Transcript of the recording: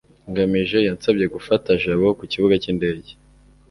ngamije yansabye gufata jabo ku kibuga cy'indege